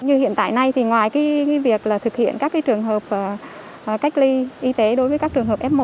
như hiện tại nay thì ngoài việc thực hiện các trường hợp cách ly y tế đối với các trường hợp f một